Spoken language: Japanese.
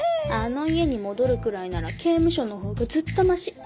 あの家に戻るくらいなら刑務所の方がずっとマシ